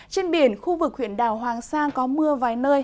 trên biển khu vực huyện đảo hoàng sa có mưa vài nơi